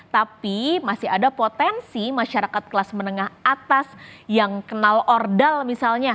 tapi masih ada potensi masyarakat kelas menengah atas yang kenal ordal misalnya